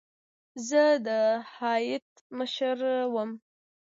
زه د هیات مشر وم.